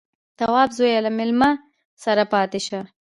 _توابه زويه، له مېلمه سره پاتې شه.